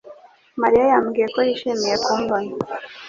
Mariya yambwiye ko yishimiye kumbona.